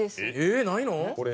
ええないの？